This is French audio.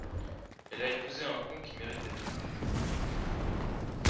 Elle a épousé un con qui mérite d’être cocu.